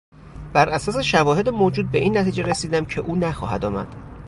براساس شواهد موجود به این نتیجه رسیدم که او نخواهد آمد.